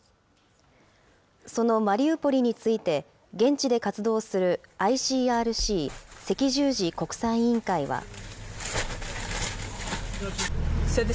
そのマリウポリについて、現地で活動するＩＣＲＣ・赤十字国際委員会は。